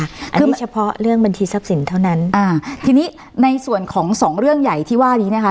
คือมีเฉพาะเรื่องบัญชีทรัพย์สินเท่านั้นอ่าทีนี้ในส่วนของสองเรื่องใหญ่ที่ว่านี้นะคะ